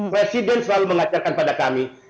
presiden selalu mengajarkan pada kami